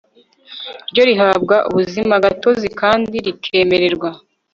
ryo rihabwa ubuzimagatozi kandi rikemererwa